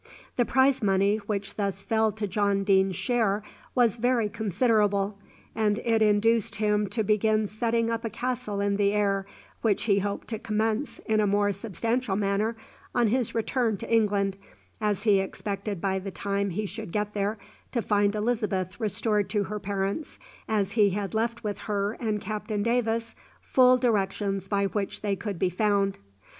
The prize money which thus fell to John Deane's share was very considerable, and it induced him to begin setting up a castle in the air, which he hoped to commence in a more substantial manner on his return to England, as he expected by the time he should get there to find Elizabeth restored to her parents, as he had left with her and Captain Davis full directions by which they could be found.